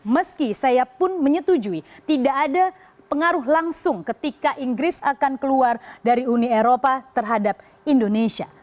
meski saya pun menyetujui tidak ada pengaruh langsung ketika inggris akan keluar dari uni eropa terhadap indonesia